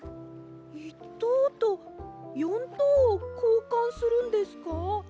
１とうと４とうをこうかんするんですか？